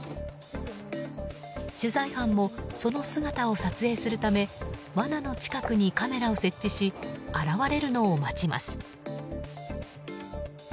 取材班も、その姿を撮影するためわなの近くにカメラを設置し現れるのを待ちます。